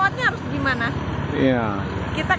kurang tahu ya masyarakat tidak tahu